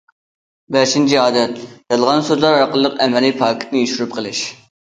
بەشىنچى ئادەت: يالغان سۆزلەر ئارقىلىق ئەمەلىي پاكىتنى يوشۇرۇپ قېلىش.